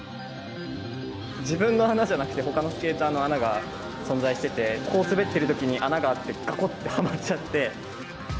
自分の穴じゃなくて、ほかのスケーターの穴が存在してて、こう滑っているときに穴があって、がこってはまっちゃって。